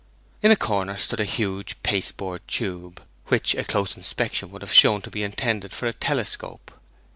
In a corner stood a huge pasteboard tube, which a close inspection would have shown to be intended for a telescope.